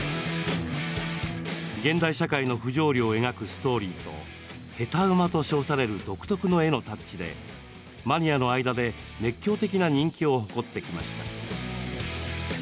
現代社会の不条理を描くストーリーと「ヘタウマ」と称される独特の絵のタッチでマニアの間で熱狂的な人気を誇ってきました。